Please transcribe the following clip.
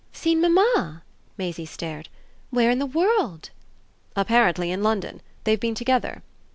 "Seen mamma?" Maisie stared. "Where in the world?" "Apparently in London. They've been together."